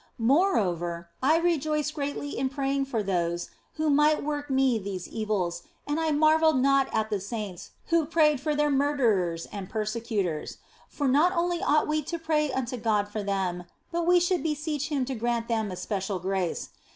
Moreover, I rejoiced greatly in praying for those who might work me these evils, and I marvelled not at the saints who prayed for their murderers and persecutors ; 200 THE BLESSED ANGELA for not only ought we to pray unto God for them, but we should beseech Him to grant them especial grace.